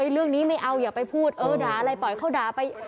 เรื่องนี้ไม่เอาอย่าไปพูดเออด่าอะไรปล่อยเขาด่าไป